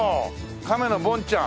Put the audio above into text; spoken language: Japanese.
カメのボンちゃん。